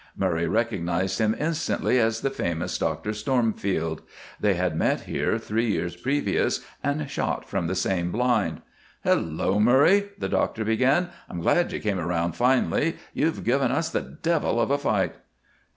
Murray recognized him instantly as the famous Dr. Stormfield. They had met here three years previous and shot from the same blind. "Hello, Murray!" the doctor began. "I'm glad you came around finally. You've given us the devil of a fight."